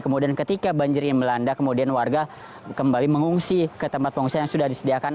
kemudian ketika banjir ini melanda kemudian warga kembali mengungsi ke tempat pengungsian yang sudah disediakan